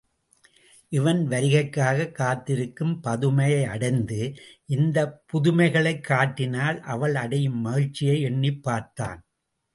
இவன் வருகைக்காகக் காத்திருக்கும் பதுமையை அடைந்து இந்தப் புதுமைகளைக் காட்டினால் அவள் அடையும் மகிழ்ச்சியை எண்ணிப் பார்த்தான்.